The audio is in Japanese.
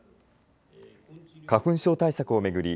花粉症対策を巡り